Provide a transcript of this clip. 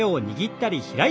はい。